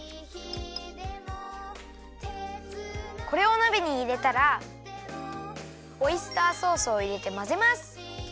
これをなべにいれたらオイスターソースをいれてまぜます！